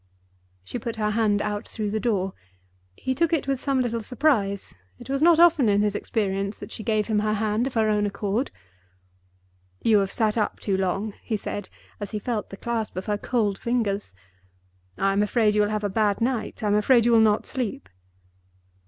She put her hand out through the door. He took it with some little surprise; it was not often in his experience that she gave him her hand of her own accord. "You have sat up too long," he said, as he felt the clasp of her cold fingers. "I am afraid you will have a bad night—I'm afraid you will not sleep."